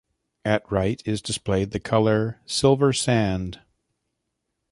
At right is displayed the color silver sand.